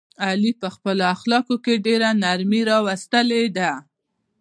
علي په خپلو اخلاقو کې ډېره نرمي راوستلې ده.